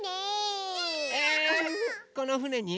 このふねに？